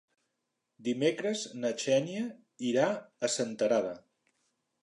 Dimecres na Xènia irà a Senterada.